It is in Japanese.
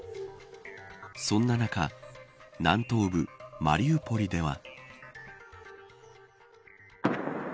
そんな中南東部マリウポリでは。